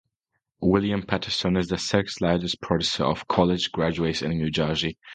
William Paterson is the sixth largest producer of college graduates in New Jersey.